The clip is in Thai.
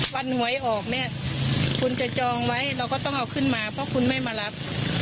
วันหวยออกเนี่ยคุณจะจองไว้เราก็ต้องเอาขึ้นมาเพราะคุณไม่มารับ